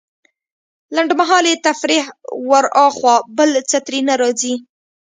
لنډمهالې تفريح وراخوا بل څه ترې نه راځي.